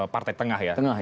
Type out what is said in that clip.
partai tengah ya